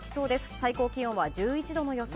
最高気温は１１度の予想。